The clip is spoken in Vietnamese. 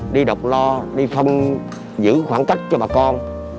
đi đọc lo đi không giữ khoảng cách cho bà con